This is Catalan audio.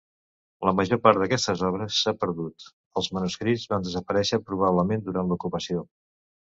La major part d'aquestes obres s'ha perdut; els manuscrits van desaparèixer probablement durant l'ocupació.